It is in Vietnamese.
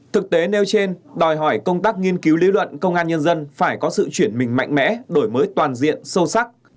thực tế nêu trên đòi hỏi công tác nghiên cứu lý luận công an nhân dân phải có sự chuyển mình mạnh mẽ đổi mới toàn diện sâu sắc